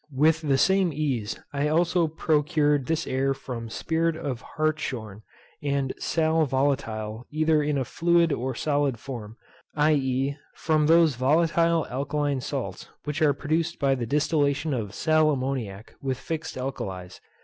With the same ease I also procured this air from spirit of hartshorn, and sal volatile either in a fluid or solid form, i. e. from those volatile alkaline salts which are produced by the distillation of sal ammoniac with fixed alkalis.